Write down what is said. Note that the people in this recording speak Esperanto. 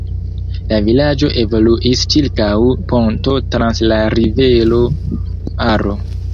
La vilaĝo evoluis ĉirkaŭ ponto trans la rivero Aro.